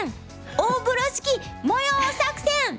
大風呂敷模様作戦！